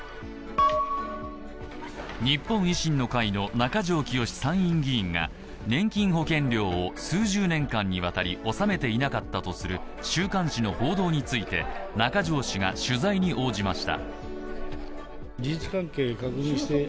日本維新の会の中条きよし参院議員が年金保険料を数十年間にわたり納めていなかったとする週刊誌の報道について、中条氏が取材に応じました。